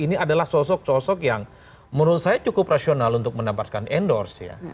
ini adalah sosok sosok yang menurut saya cukup rasional untuk mendapatkan endorse ya